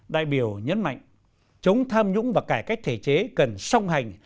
đại biểu nhấn mạnh chống tham nhũng và cải cách thể chế cần song hành